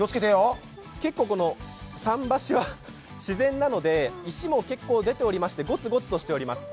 結構、桟橋は自然なので石も結構出ておりましてゴツゴツとしております。